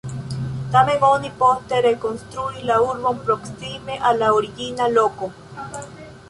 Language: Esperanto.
Tamen oni poste rekonstruis la urbon proksime al la origina loko.